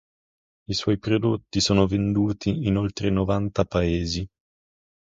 I suoi prodotti sono venduti in oltre novanta Paesi.